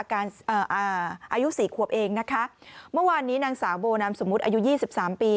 อายุ๔ขวบเองนะคะเมื่อวานนี้นางสาวโบนรามสมมติอายุ๒๓ปี